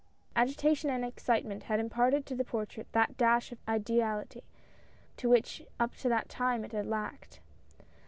Agitation and excitement had imparted to the portrait that dash of ideality which up to that time it had lacked.